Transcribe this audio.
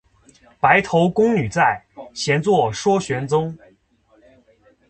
白头宫女在，闲坐说玄宗。